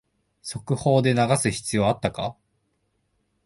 速報で流す必要あったか